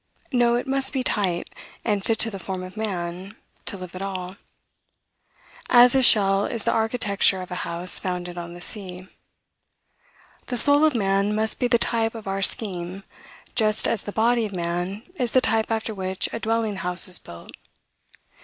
No, it must be tight, and fit to the form of man, to live at all; as a shell is the architecture of a house founded on the sea. The soul of man must be the type of our scheme, just as the body of man is the type after which a dwelling house is built.